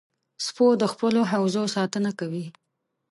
سپو د خپلو حوزو ساتنه کوي.